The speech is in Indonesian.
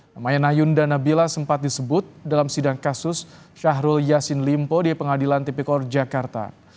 namanya nahyunda nabila sempat disebut dalam sidang kasus syahrul yassin limpo di pengadilan tipikor jakarta